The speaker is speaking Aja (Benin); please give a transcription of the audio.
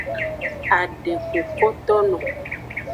Adekukotono.